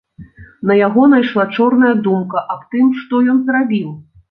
На яго найшла чорная думка аб тым, што ён зрабіў.